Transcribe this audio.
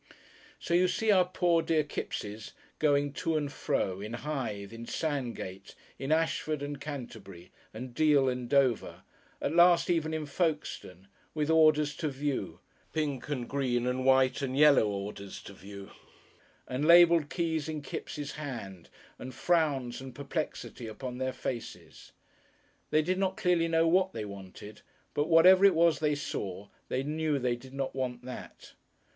So you see our poor, dear Kippses going to and fro, in Hythe, in Sandgate, in Ashford and Canterbury and Deal and Dover at last even in Folkestone, with "orders to view," pink and green and white and yellow orders to view, and labelled keys in Kipps' hand and frowns and perplexity upon their faces.... They did not clearly know what they wanted, but whatever it was they saw, they knew they did not want that.